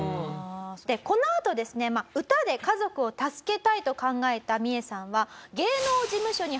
このあとですね歌で家族を助けたいと考えたミエさんは。